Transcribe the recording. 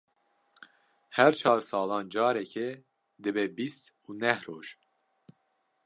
Her çar salan carekê dibe bîst û neh roj.